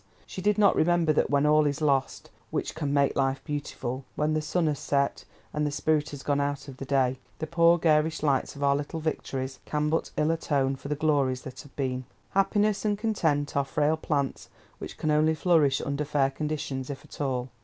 she did not remember that when all is lost which can make life beautiful, when the sun has set, and the spirit gone out of the day, the poor garish lights of our little victories can but ill atone for the glories that have been. Happiness and content are frail plants which can only flourish under fair conditions if at all.